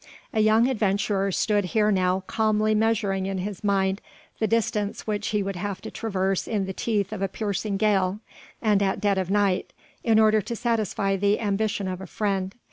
A young adventurer stood here now calmly measuring in his mind the distance which he would have to traverse in the teeth of a piercing gale and at dead of night in order to satisfy the ambition of a friend.